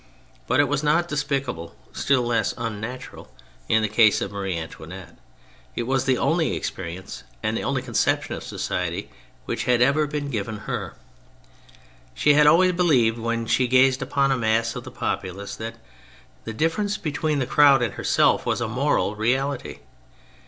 But it was not despicable, still less unnatural, in the case of Marie Antoinette : it was the only experience and the only conception of society which had ever been given her. She had always believed, when she gazed upon a mass of the populace, that the difference between the crowd and herself was a moral reality.